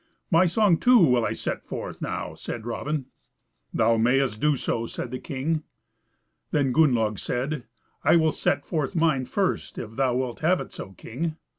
"My song too will I set forth now," says Raven. "Thou mayst do so," said the king. Then Gunnlaug said, "I will set forth mine first if thou wilt have it so, king."